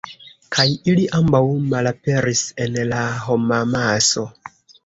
Kaj ili ambaŭ malaperis en la homamaso.